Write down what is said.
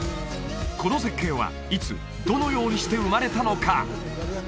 この絶景はいつどのようにして生まれたのか？